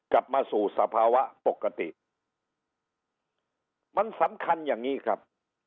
กลับมาสู่สภาวะปกติมันสำคัญอย่างนี้ครับ